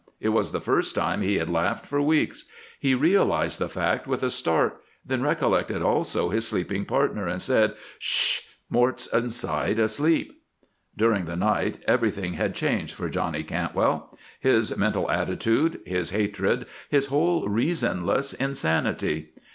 It was the first time he had laughed for weeks. He realized the fact with a start, then recollected also his sleeping partner, and said: "'Sh h! Mort's inside, asleep!" During the night everything had changed for Johnny Cantwell; his mental attitude, his hatred, his whole reasonless insanity.